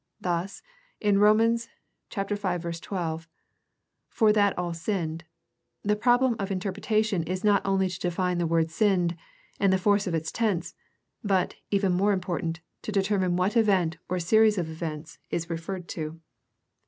Thus, in Rom. 5:12, "for that all sinned," the problem of interpretation is not only to define the word ''sinned" and the force of its tense, but, even more important, to determine what event or series of events is referred to.